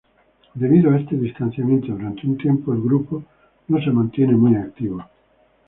Debido a este distanciamiento durante un tiempo el grupo no se mantiene muy activo.